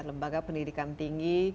lembaga pendidikan tinggi